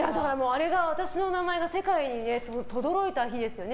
あれが私の名前が世界にとどろいた日ですよね。